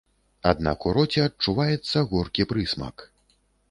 Аднак у роце адчуваецца горкі прысмак.